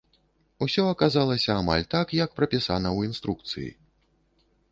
Усё аказалася амаль так, як прапісана ў інструкцыі.